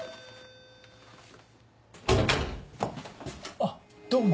あっどうも。